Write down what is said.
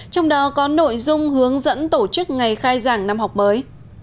trong đó có nội dung hướng dẫn tổ chức ngày khai giảng năm học mới